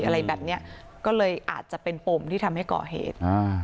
อะไรแบบนี้ก็เลยอาจจะเป็นปมที่ทำให้ก่อเหตุ